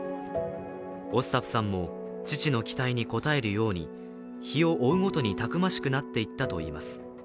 オスタプさんも、父の期待に応えるように日を追うごとに、たくましくなっていったといいます。